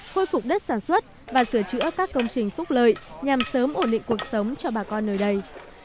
khôi phục đất sản xuất và sửa chữa các công trình phúc lợi nhằm sớm ổn định cuộc sống cho bà con nơi đây